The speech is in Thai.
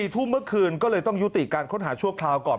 ทุ่มเมื่อคืนก็เลยต้องยุติการค้นหาชั่วคราวก่อน